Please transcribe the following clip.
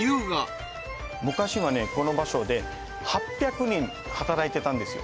この場所で８００人働いてたんですよ